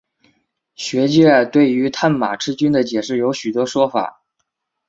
学界对于探马赤军的解释有许多说法。